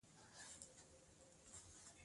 د مکتب په انګړ کې ونې وکرم؟